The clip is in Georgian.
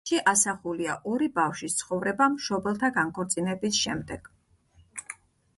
მასში ასახულია ორი ბავშვის ცხოვრება მშობელთა განქორწინების შემდეგ.